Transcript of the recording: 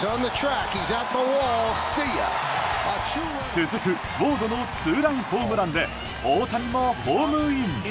続くウォードのツーランホームランで大谷もホームイン。